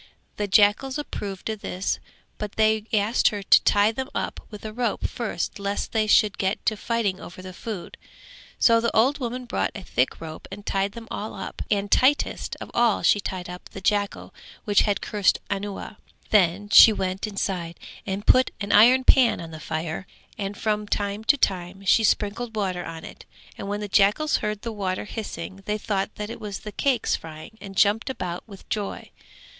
The jackals approved of this but they asked her to tie them up with a rope first lest they should get to fighting over the food, so the old woman brought a thick rope and tied them all up and tightest of all she tied up the jackal which had cursed Anuwa; then she went inside and put an iron pan on the fire and from time to time she sprinkled water on it and when the jackals heard the water hissing they thought that it was the cakes frying and jumped about with joy.